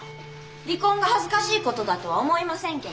離婚が恥ずかしいことだとは思いませんけど。